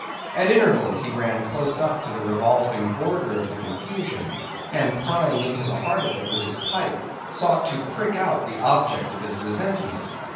At intervals, he ran close up to the revolving border of the confusion, and prying into the heart of it with his pike, sought to prick out the object of his resentment.